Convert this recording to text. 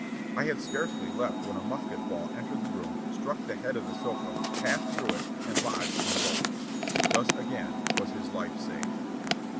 I had scarcely left when a musket ball entered the room, struck the head of the sofa, passed through it, and lodged in the boat." Thus again was his life saved.